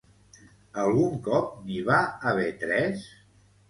Algun cop n'hi va haver tres?